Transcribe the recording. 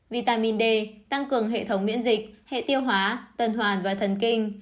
vitamin d tăng cường hệ thống miễn dịch hệ tiêu hóa tuần hoàn và thần kinh